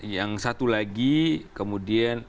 yang satu lagi kemudian